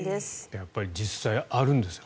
やっぱり実際あるんですね